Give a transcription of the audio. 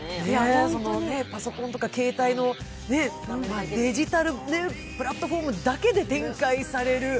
パソコンとか携帯のデジタルプラットフォームだけで展開される